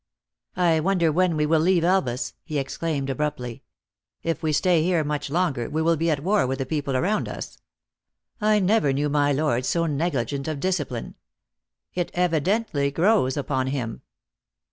"I wonder when we will leave Elvas," he ex claimed, abruptly. " If we stay here much longer, we will be at war with the people around us. 1 never knew my lord so negligent of discipline. It evidently grows upon him."